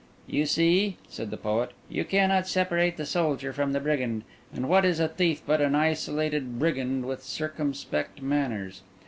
"You see," said the poet, "you cannot separate the soldier from the brigand; and what is a thief but an isolated brigand with circumspect manners?